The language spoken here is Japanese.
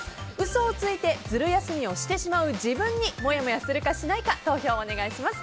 嘘をついてズル休みをしてしまう自分にもやもやするかしないか投票お願いします。